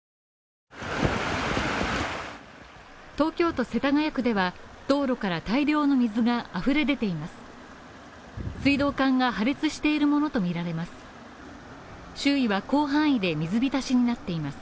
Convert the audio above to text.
東京都世田谷区では道路から大量の水があふれ出ています。